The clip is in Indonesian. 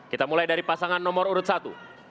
kita mulai dari pasangan nomor urut satu